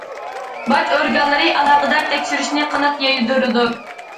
باج ئورگانلىرى ئالاقىدار تەكشۈرۈشنى قانات يايدۇرىدۇ.